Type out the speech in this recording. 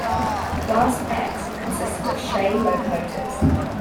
Class X consisted of Shay locomotives.